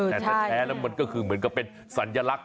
แต่แท้แล้วมันก็คือเหมือนกับเป็นสัญลักษณ